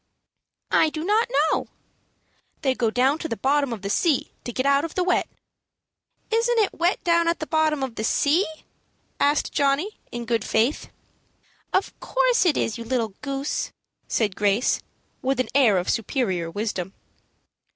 "I do not know." "They go down to the bottom of the sea to get out of the wet." "Isn't it wet down at the bottom of the sea?" asked Johnny, in good faith. "Of course it is, you little goose," said Grace, with an air of superior wisdom.